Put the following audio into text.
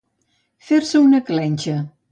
Fer-se una clenxa.